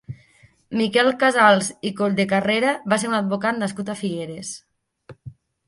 Miquel Casals i Colldecarrera va ser un advocat nascut a Figueres.